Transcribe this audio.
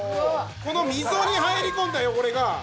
この溝に入り込んだ汚れが。